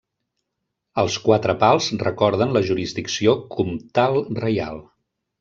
Els Quatre Pals recorden la jurisdicció comtal-reial.